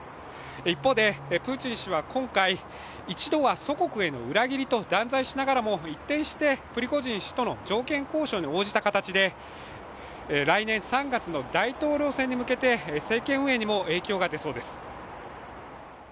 一方でプーチン氏は今回、一度は祖国への裏切りと断罪しながらも、一転してプリゴジン氏との条件交渉に応じた形で来年３月の大統領選に向けて政権運営にも影響が出そうです。